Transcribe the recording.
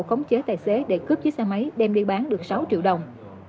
khống chế tài xế để cướp chiếc xe máy đem đi bán được sáu triệu đồng